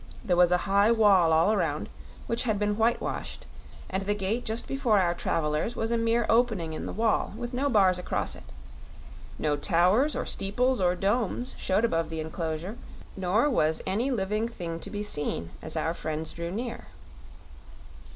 There was a high wall all around, which had been whitewashed, and the gate just before our travelers was a mere opening in the wall, with no bars across it. No towers or steeples or domes showed above the enclosure, nor was any living thing to be seen as our friends drew near.